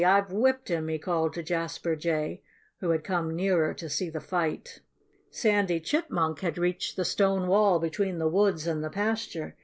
I've whipped him!" he called to Jasper Jay, who had come nearer, to see the fight. Sandy Chipmunk had reached the stone wall between the woods and the pasture.